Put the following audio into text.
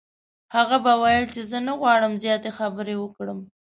هغه به ویل چې زه نه غواړم زیاتې خبرې وکړم.